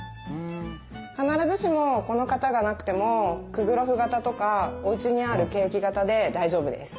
必ずしもこの型がなくてもクグロフ型とかおうちにあるケーキ型で大丈夫です。